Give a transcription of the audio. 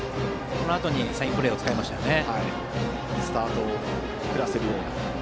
そのあとにサインプレーを使いましたね。